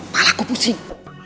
malah aku pusing